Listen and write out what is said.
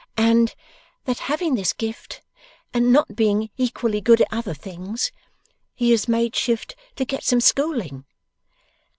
'And that having this gift, and not being equally good at other things, he has made shift to get some schooling.